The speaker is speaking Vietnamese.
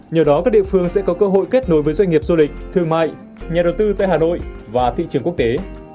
nhờ đó các địa phương sẽ có cơ hội kết nối với doanh nghiệp du lịch thương mại nhà đầu tư tại hà nội và thị trường quốc tế